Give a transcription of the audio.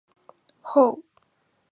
后升任苏州府知府